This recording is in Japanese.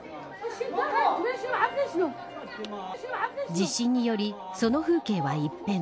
地震により、その風景は一変。